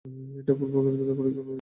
এটা পূর্বপরিকল্পিত ছিলো।